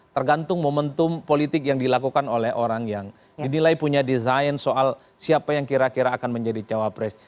tergantung momentum politik yang dilakukan oleh orang yang dinilai punya desain soal siapa yang kira kira akan menjadi cawapres